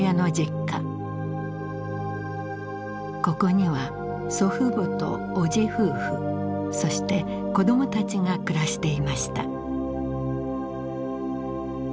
ここには祖父母と叔父夫婦そして子どもたちが暮らしていました。